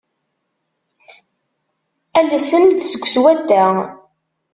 Alsem-d seg swadda.